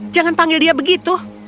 jangan panggil dia begitu